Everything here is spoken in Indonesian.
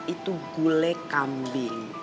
itu gulai kambing